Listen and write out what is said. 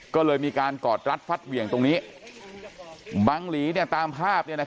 ก็เลยมีการกอดรัดฟัดเหวี่ยงตรงนี้บังหลีเนี่ยตามภาพเนี่ยนะครับ